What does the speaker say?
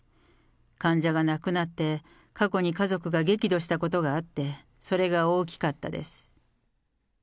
患者が亡くなって、過去に家族が激怒したことがあって、それが大きかったです。